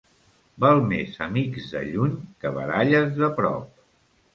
Val més amics de lluny que baralles de prop.